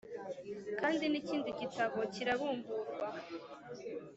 Kandi n’ikindi gitabo kirabumburwa,